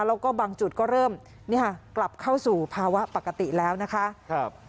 แล้วก็บางจุดก็เริ่มกลับเข้าสู่ภาวะปกติแล้วนะคะ